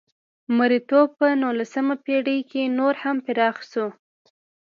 مریتوب په نولسمه پېړۍ کې نور هم پراخه شوه.